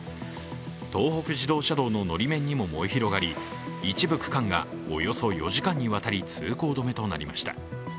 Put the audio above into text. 東北自動車道ののり面にも燃え広がり、一部通行期間がおよそ４時間にわたり通行止めとなりました。